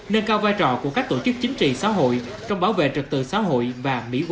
nâng cao vai trò của các tổ chức chính trị xã hội trong bảo vệ trật tự xã hội và mỹ quan đô thị